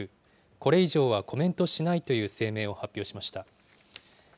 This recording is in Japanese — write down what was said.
これ以上はコメントしないという声明を発表しました。